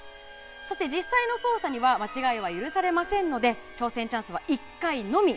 そして、実際の捜査には間違いは許されませんので挑戦チャンスは１回のみ。